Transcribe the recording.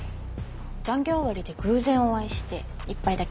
残業終わりで偶然お会いして１杯だけ。